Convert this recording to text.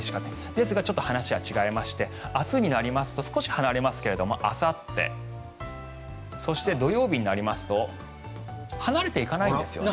ですがちょっと話は違いまして明日になりますと少し離れますがあさってそして土曜日になりますと離れていかないんですね。